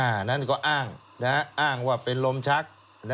อันนั้นก็อ้างอ้างว่าเป็นลมชัก